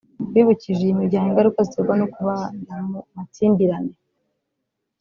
bibukije iyi miryango ingaruka ziterwa no kubanamu makimbirane